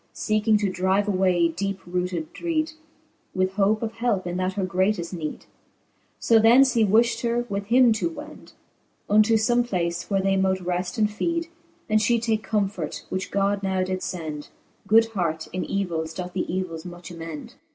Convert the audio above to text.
Seeking to drive away deepe rooted dreede, With hope of helpe in that her greateft neede. So thence he wifhed her with him to wend Unto fome place, where they mote reft and feede, And fhe take comfort, which God now did fend : Good heart in evils doth the evils much amend.